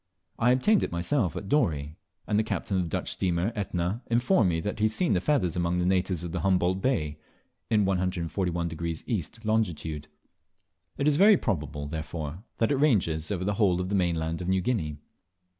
I obtained it myself at Dorey; and the captain of the Dutch steamer Etna informed me that he had seen the feathers among the natives of Humboldt Bay, in 141° E. longitude. It is very probable, therefore, that it ranges over the whole of the mainland of New Guinea.